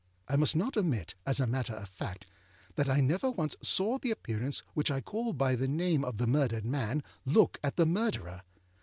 I must not omit, as a matter of fact, that I never once saw the Appearance which I call by the name of the murdered man look at the Murderer.